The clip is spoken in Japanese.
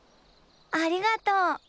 ありがとう。